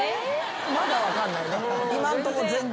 まだ分かんない。